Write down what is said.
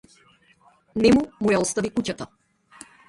Нему му ја остави куќата.